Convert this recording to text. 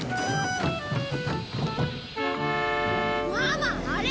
ママあれ！